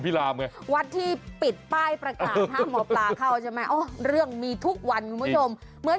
ประกาศมาเข้าใช่ไหมทุกวันคุณผู้ชม